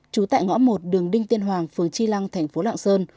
trú tại ngõ một đường đinh tiên hoàng phường chi lăng thành phố lạng sơn